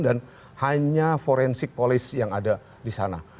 dan hanya forensik polis yang ada di sana